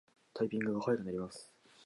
タイピングが早くなります